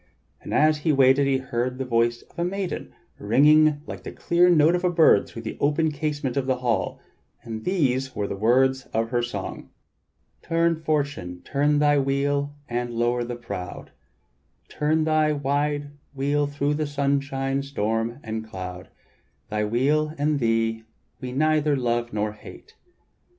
And as he waited he heard the voice of a maiden ringing like the clear note of a bird through the open casement of the hall, and these were the words of her song: "Turn, Fortune, turn thy wheel and lower the proud; Turn thy wild wheel thro' sunshine, storm, and cloud; Thy wheel and thee we neither love nor hate.